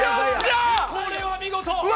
これは見事。